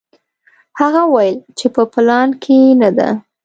هغه وویل چې په پلان کې نه ده.